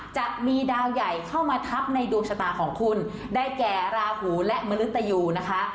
จะมีดาวใหญ่เข้ามาทับในดวงชะตาของคุณได้แก่ราหูและมนุษยูนะคะ